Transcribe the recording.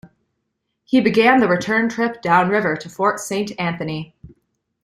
He began the return trip downriver to Fort Saint Anthony.